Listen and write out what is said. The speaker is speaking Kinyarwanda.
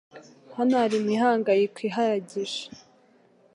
Hano hari imihangayiko ihagije